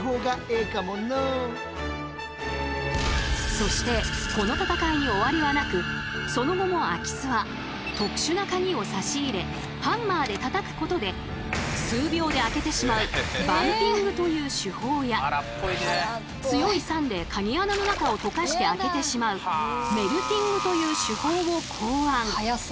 そしてこの戦いに終わりはなくその後も空き巣は特殊なカギを差し入れハンマーでたたくことで数秒で開けてしまうバンピングという手法や強い酸でカギ穴の中を溶かして開けてしまうメルティングという手法を考案。